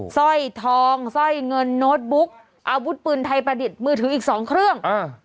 สร้อยทองสร้อยเงินโน้ตบุ๊กอาวุธปืนไทยประดิษฐ์มือถืออีกสองเครื่อง